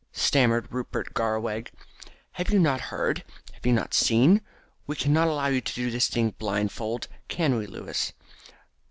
stammered Rupert Garraweg, "have you not heard? Have you not seen? We cannot allow you to do this thing blindfold; can we Louis?"